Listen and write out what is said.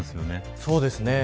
そうですね。